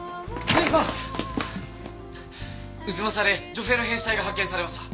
太秦で女性の変死体が発見されました。